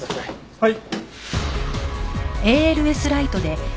はい。